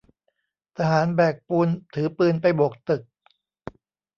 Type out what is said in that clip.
ทหารแบกปูนถือปืนไปโบกตึก